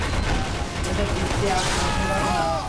দেশের হিত কি আপনি পছন্দ করেন না?